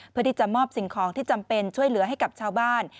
เพื่อที่จะมอบสิ่งของที่จำเป็นช่วยเหลือให้กับชาวบ้าน